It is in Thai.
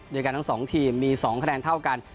กันทั้ง๒ทีมมี๒คะแนนเท่ากัน